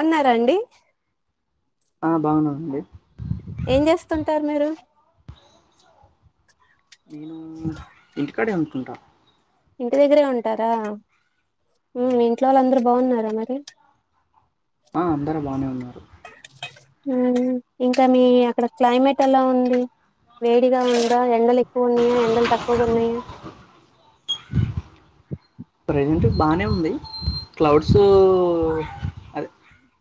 ఉన్నారండి ఆ బాగున్నాదండి ఏం చేస్తుంటారు మీరు నేను ఇంటికాడే ఉంటుంటా ఇంటి దగ్గరే ఉంటారా ఇంట్లో వాళ్ళ అందరుూ బాగున్నారా మరి ఆ అందరు బాగానే ఉన్నారు ఇంకా మీ అక్కడ క్లైమేట్ ఎలా ఉంది వేడిగా ఉందా ఎండలు ఎ పూర్ణ్య ఎందులు తక్కువ కొన్నాయా బాగానే ఉంది క్లౌడ్స్ అదే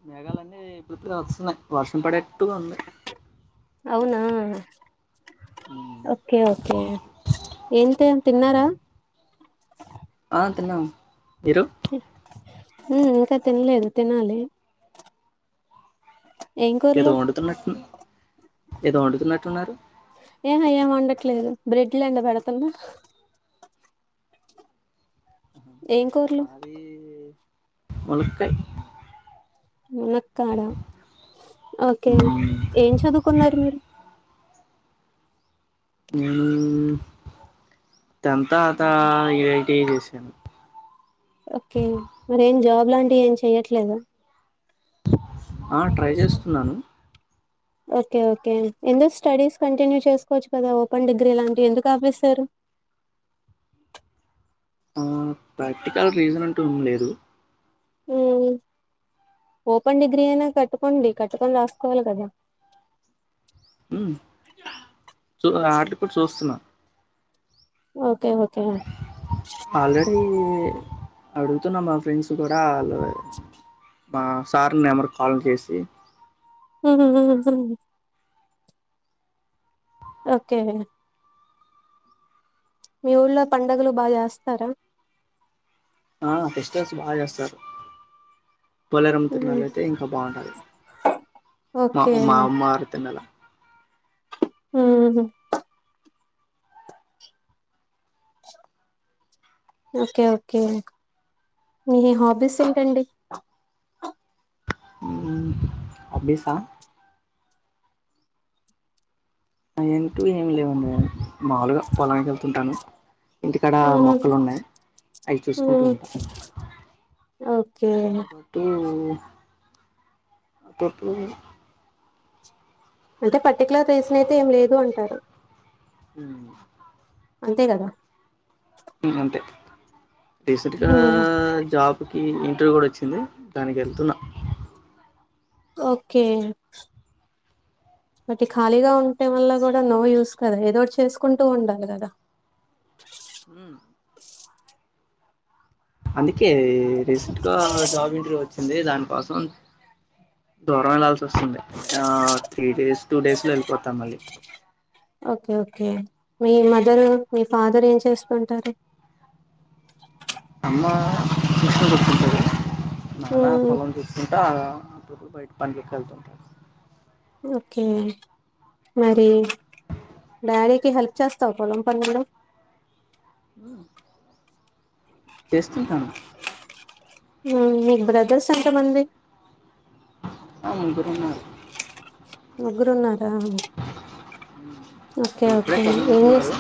మేఘాలున్నీ ఇప్పుడుత వస్తున్నాయి వర్షం పడేట్టుగా ఉంది అవునా హ్మ్. ఓకే ఓకే ఎంత తిన్నారా పాద్లో ఇ ఇంకా తినలేదు తినాలి ఏం కూరలు ఎదగండ తన్నట్ ఏదో వండుతున్నట్టున్నారు ఏమ ఏం ఉండట్లేదు బ్రెడ్ లేంండ పెడతున్నా ఏం కూరలు మది మునక్కా మునక్కాడ ఓకే హ్మ్. ఏం చదువుకున్నారు మీరు నేను ట తత ఇరైటీ చేసాను ఓకే మరి ఏం జాబ్ లాంటివి ఏం చెయట్లేదు ఆ ట్రై చేస్తున్నాను ఓకే ఓకే ఎందుకు స్టడీస్ కంటిన్యూ చేసుకోవచ్చు కదా ఓపెన్ డిగ్రీ లాంటివి ఎందుకు ఆపిస్తారు ఆ ప్రాక్టికల్ రీజన్ అంటూ ఏం లేదు ఓపెన్ డిగ్రీ అయినా కట్టుకోండి కట్టుకని రాసుకోవాలి కదా చూ ఆటలు కూడా చూస్తున్నా ఓ ఓకే ఓకే మరి అడుగుతున్న మా ఫ్రెండ్స్ కూడా వాళ్ళు మా సార్ నెంబర్కి కాల్ చేసి హుహుహుహు. ఓకే మీ ఊళ్లో పండుగలు బా చేస్తారా ఆ ఫెస్టివల్స్ బా చేస్తారు పోలేరమ్మ తీర్నాల అయితే ఇంకా బాగుంటది మా ఓకే మా అమ్మవారీ తీర్నాల ఉమ్ ఓకే ఓకే మీ హాబీస్ ఏంటండి హబిసా అయింటివి ఏమి లేవండి మాముూలుగా పొలానికి వెళ్తుంటాను ఇంటికాడ హ్మ్. మొక్కలు ఉన్నాయి అవి చూసుకుంటూ హ్మ్. ఉంటా ఓకే దాంతోపాటు అటిప్పు అంటే పర్టిక్యులర్ గా రీజన్ అయితే ఏం లేదు అంటారు ఉమ్ అంతే కదా ఉమ్ అంతే రీసెట్గా జాబ్ ఈ ఇంటర్వ్యూ కూడా వచ్చింది దానికి వెళ్తున్నా ఓకే బట్ ఖాళీగా ఉంటే వల్ల కూడా నో యూస్ కదా ఏదోటి చేసుకుంటూ ఉండాలి కదా అందుక్ కే రీసెంట్గా జాబ్ ఇంటర్వ్యూ వచ్ వచ్చింది దానికోసం దూరం వెళ్లాల్సి వస్తుంది ఆ త్రీ డేస్ టూ డేస్ లో వెళ్ళిపోతాం మళ్ళీ ఓకే ఓకే మీ మదరు మీ ఫాదర్ ఏం చేస్తుంటారు అమ్మ మెషీన్ కుడ్తుంటాది నాన్న హ్మ్ పొలం చూసుకుంటా అప్పుడప్పుడు బయట పండికి వెళ్తుంటారు ఓకే మరి డాడీకి హెల్ప్ చేస్తావు పొలం పనుల్లో చేస్తుంటా మ్ మీకు బ్రదర్స్ ఎంతమంది ఆ ముగ్గురు ఉన్నారు ముగ్గురు ఉన్నార్ ఓకే ఉమ్ ఇప్పుడే ఓకే ఏం చేస్త చదువుతున్నారు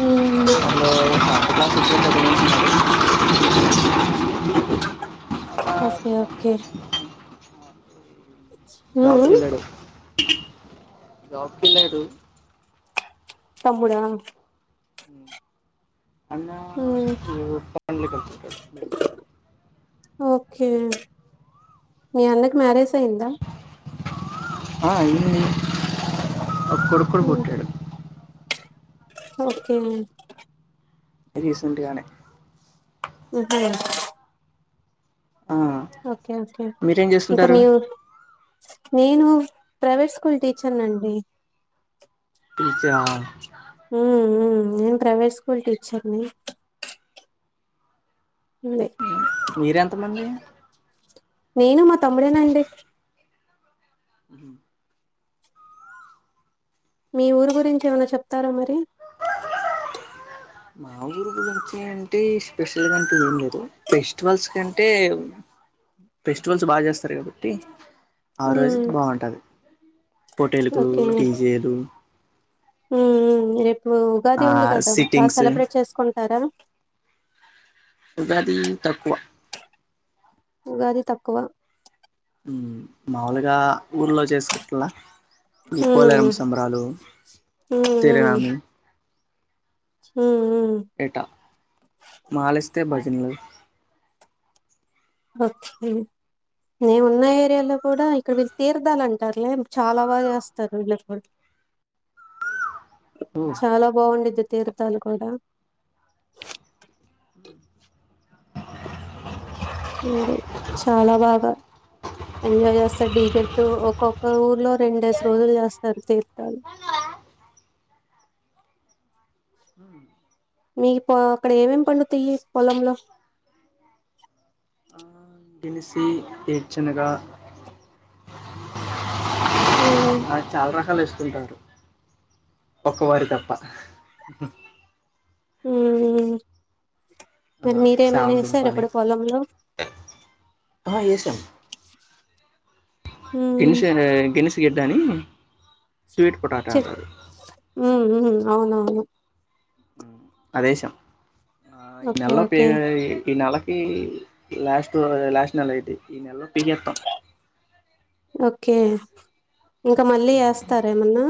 హ్మ్ హలో [unintelligible] ఓకే ఓకే అన్న ఉమ్ మ్ జాబ్కిలాడు తమ్ముడా అన్న హ్మ్ ఇప్పుడు [unintelligible] ఓకే మీ అన్నకి మ్యారేజ్ అయిందా ఆ అయింది ఓ కొడుకు కూడా హ్మ్ పుట్టాడు ఓకే రీసెంట్గానే ఊహూ ఆ ఓకే ఓకే మీరేం ఇంకా చేస్తుంటారు మీరు నేను ప్రైవేట్ స్కూల్ టీచర్న్ండి ఇచ్చావ హ్మ్ హ్మ్ నేను ప్రైవేట్ స్కూల్ టీచర్ని ఉంది మీరెంతమంది నేను మా తమ్ముడేనండి ఉ మీ ఊరు గురించి ఏమైనా చెప్తారా మరి మా ఊరు గురించి అంటే స్పెషల్గా అంటే ఏం లేదు ఫెస్టివల్స్ కంటే ఫెస్టివల్స్ బా చేస్తారు కాబట్టి ఆ ఉమ్ రోజు బావుంటది పోటీలకు డీజేలు హ్మ్ మ్మ్ రేపు ఉ ఉగాది ఆ ఉంది కదా బా సిట్టింగ్స్ సెలబ్రేట్ చేసుకుంటారా ఉగాది తక్కువ ఉగాది తక్కువ మాముూలుగా ఊర్లో చేసుకుంటలా ఈ ఉమ్ పోలేరమ్మ సంబరాలు ఉమ్ ఉమ్ సిరినామి ఉమ్ ఉమ్ ఏటా మాలెస్తే భజనలు ఓకే మేమున్న ఏరియాలో కూడా ఇక్కడ వీళ్ళు తీర్థాలంటారులే చాలా బా చేస్తారు వీళ్ళు ఒకళ్ చాలా బావుండిద్ది తీర్థాలు కూడా ఉంది చాలా బాగా ఎంజాయ్ చేస్తారు డీజే తో ఒక్కొక్క ఊర్లో రెండేసి రోజులు చేస్తారు తీర్థాలు మీ పొ అక్కడ ఏమేమి పండుతాయి పొలంలో గెలిసి ఏడ్చనగా ఉమ్ ఆ చాలా రకాలు వేస ఉంటారు ఒక్క వరి తప్ప హ్మ్ మ్మ్ ఆ! మరి మీరేమన్న సామదుంప వేసారా అని. ఇప్పుడు పొలంలో ఉమ్ గెలిషరె గెలిసి గెడ్డని చ్చే హ్మ్ మ్మ్ అవునవును అదేసాం ఆ ఓకే ఈనెల పే ఓకే ఈ నేల ఈ లాస్ట్ లో లాస్ట్ నెల ఐతే ఈ నెల్లో ఓకే ఇంకా మళ్ళీ హ్మ్. ఎస్తార ఏమన్నా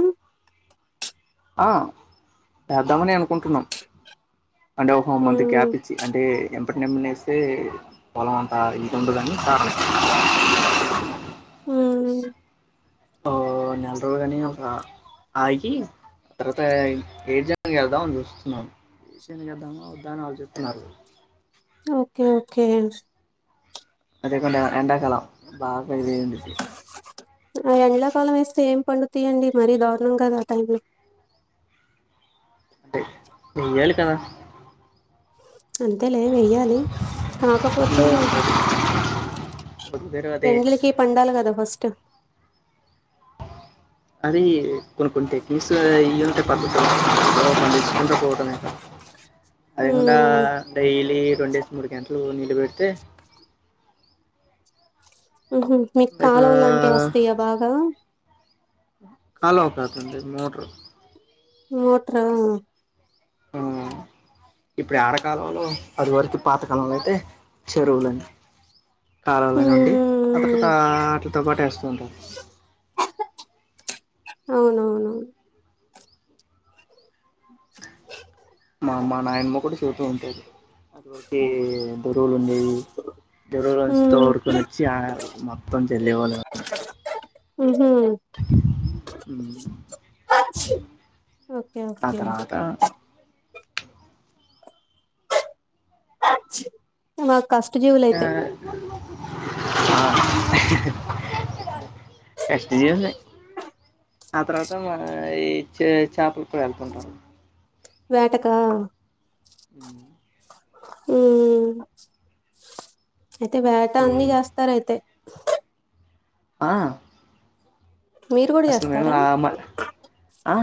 ఆ, తేద్దామనే అనుకుంటున్నాం. అంటే ఓహో మంత్ ఉమ్ గ్యాప్ ఇచ్చి, అంటే ఎన్ ఇప్పటి నెమ్మినేస్తే, పొలం అంతా ఇది ఉండదని [inaudible] హ్మ్ ఓ నెల రోజులు అని ఒక ఆ ఆగి, ఆ తర్వాత ఏటి చేద్దాం అని చూస్తున్నాను. ఇదైనా చేద్దామా వద్దా అని ఆలోచిస్తున్నారు. Okay, okay. ఎల్ అదేయకుండ ఎండ కాలం. బాగా యిదయిందిది. ఆ ఎండ్లకాలం ఏస్తే ఏం పండుతయండి? మరీ దారుణంగా ఆ టైంలో. టే ఎయ్యాలి కదా? అంతేలే వేయాలి, కాకపోతే బతుకుదేరు అదే ఎండ్లకి పండాలా కదా ఫస్ట్? అదీ, కొనుక్కుంటే. మిస్లా ఇయ్యంత [unintelligible] [inaudible] ఎస్కుంట పోవటమే. ఎండా, ఉమ్ డైలీ రెండేసి, మూడు గంటలు నీళ్ళు పెడితే. హు హూ, మీకు ఇక కాలవ్వలాంటివి వస్తాయా బాగా? కాలువకాదండి, మోటరు. మోటరా? ఆ ఇప్పుడు యాడ కాలువలు? అదివరకు పాతకాలంలో అయితే, చెరువులన్ కాలవల నుండి, ఉమ్ అట్లట్లట్టా ఆ ఆటితోపాటు ఏస్తూ ఉంటారు. అవునవును. మా అమ్మ, నాయమ్మ కూడ చెబుతూ ఉంటేది, అదివరకీ చెరువులన్ని నీ, చెరువులోంచి ఉమ్ తోడుకొనొచ్చి ఆ మొత్తం చల్లే వాళ్ళమని. ఉహు ఉమ్, ఓకే ఆ ఓకే తర్వాత తుమ్మక్ ఆ, కష్ట జీవులే. ఆ తర్వాత, ఈ చే చాపలకూ ఎళ్తుంటారు. వేటకా? హుమ్ ఉహూ. అయితే వేట అన్ని చేస్తార్ అయితే. ఆ మీరు కూడా అసలు మేము చేస్తారా ఆగ్ మా, ఆ.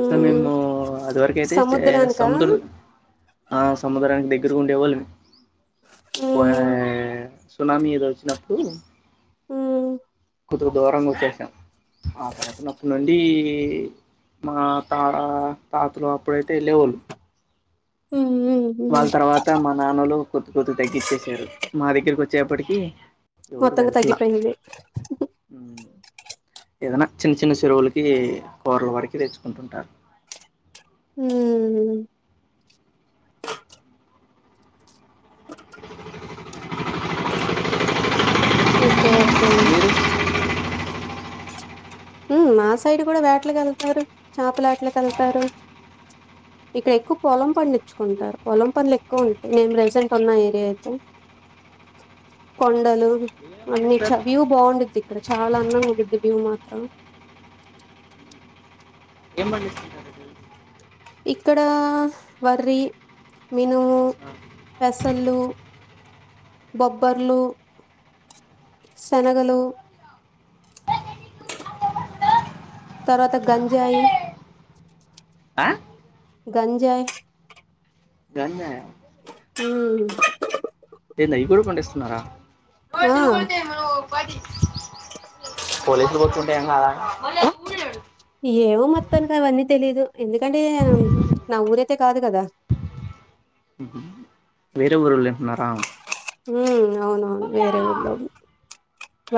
అసలు మేము అదివరకు అయితే చే సముద్రానికా సముద్ర ఆ సముదరానికి దగ్గరగా ఉండేవ్వాలి పో మ్మ్. సునామీ ఏద వచ్చినప్పుడు మ్మ్ కూతురు దూరంగా వచ్చసాం ఆ తర్వాతన్నప్పటి నుండి మా తాత తాతలు అప్పుడైతే వెళ్ళేవాళ్ళు మ్మ్. మ్మ్. వాళ్ళ మ్మ్. తర్వాత మా నాన్నలు కొద్ కొద్ తగ్గిచ్చేశారు మా దగ్గరకి వచ్చేప్పటికి ఎవరు మొత్తంగా వెళ్తలా తగ్గిపోయింది ఏదైనా చిన్న చిన్న చెరువులకి కూరలు వడికి తెచ్చుకుంటుంటారు మ్మ్ ఓకే ఓకే ఓకే మ్మ్ మా సైడ్ కూడా వేటలకి వెళ్తారు చేపలెట్ల కి వెళ్తారు ఇక్కడ ఎక్కువ పొలం పండించుకుంటారు పొలం పనులు ఎక్కువ ఉంటాయి మేం ప్రెజెంట్ ఉన్న ఏరియా అయితే కొండలు. మీరు ఏం అన్ని చ పండిస్తారు వ్యూ బాగుండిద్ది ఇక్కడ చాలా అఅందగా ఉండిద్ది వ్యూ మాత్రం ఏం పని చేస్తుంటారు మీరు ఇక్కడ వర్రి మినుము పెసళ్ళు బొబ్బర్లు శనగలు తరువాత గంజయి ఆ గంజయి గంజాయ మ్మ్ తేనె ఇవి కూడా పండిస్తున్నారా రోజు ఆ నువ్వు కొడితే మనం పోలీసులు పట్టుకుంటే ఏం కాదా ఏవో మొత్తానికి అవన్నీ తెలీదు ఎందుకంటే నా ఊరైతే కాదు కదా వేరే ఊరోళ్ళు ఉంటున్నారా మ్మ్ అవునవును వేరే ఊళ్లో నే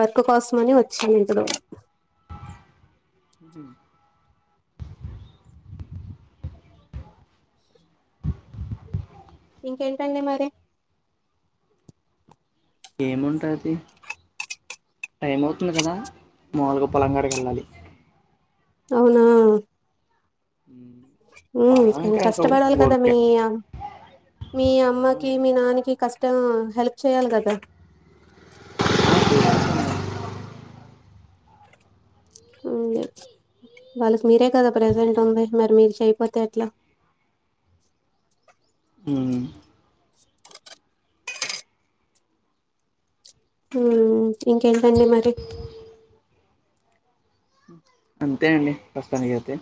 వర్క్ కోసమని వచ్చాం ఇంత దూరం ఇంకేంటండి మరి ఏముంటది టైం అవుతుంది కదా మాములుగా పొలంగాడికి వెళ్ళాలి అవునా మ్మ్ పొలం కానీ కాక కష్టపడాలి కదా గొంగె మీమ్ మీ అమ్మకి మీ నాకి కష్ టం హెల్ప్ చేయాలి కదా అవును వాళ్ళకి మీరే కదా ప్రెసెంట్ ఉంది మరి మీరు చేయపోతే అట్లా మ్మ్ మ్మ్ ఇంకేంటండి మరి అంతే అండి ప్రస్తుతానికి అయితే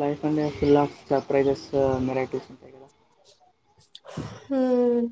లైఫ్ అంటే అప్పుల సర్ప్రైజెస్ మిరాకిల్స్ ఉంటాయి కదా మ్మ్